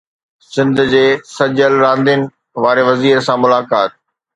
سنڌ جي سجيل راندين واري وزير سان ملاقات